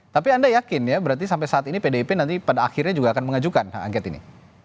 tapi anda yakin ya berarti sampai saat ini pdip nanti pada akhirnya juga akan mengajukan hak angket ini